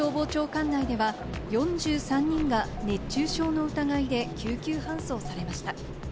管内では４３人が熱中症の疑いで救急搬送されました。